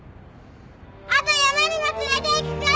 あと山にも連れていくから！